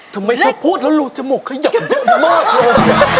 ทำไมเธอพูดแล้วลูนจมกขยับมากเลย